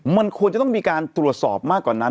มันควรจะต้องมีการตรวจสอบมากกว่านั้น